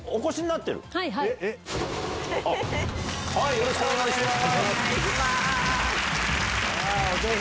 よろしくお願いします。